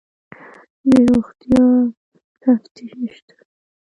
د روغتیا تفتیش شته؟